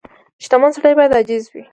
• شتمن سړی باید عاجز وي.